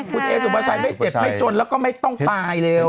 คุณเอสุภาชัยไม่เจ็บไม่จนแล้วก็ไม่ต้องตายเร็ว